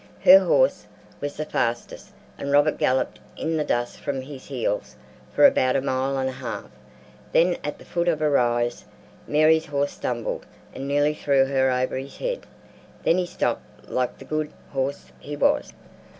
Her horse was the fastest, and Robert galloped in the dust from his heels for about a mile and a half; then at the foot of a rise Mary's horse stumbled and nearly threw her over his head, and then he stopped like the good horse he was.